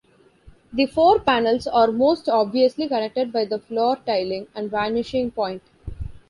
The four panels are most obviously connected by the floor tiling and vanishing point.